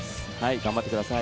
頑張ってください。